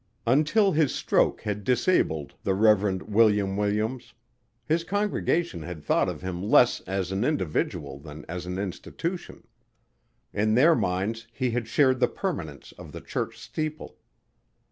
Until his stroke had disabled the Reverend William Williams, his congregation had thought of him less as an individual than as an institution. In their minds he had shared the permanence of the church steeple.